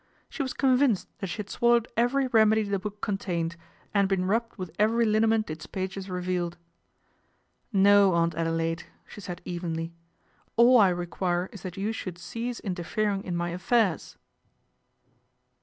She was convinced that she had swallowed every remedy the book contained, and been rubbed with every linament its pages revealed. " No, Aunt Adelaide," she said evenly. " All I require is that you should cease interfering in my affairs."